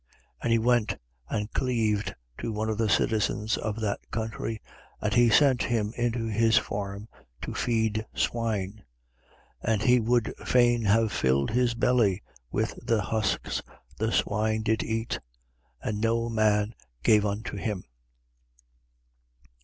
15:15. And he went and cleaved to one of the citizens of that country. And he sent him into his farm to feed swine. 15:16. And he would fain have filled his belly with the husks the swine did eat: and no man gave unto him.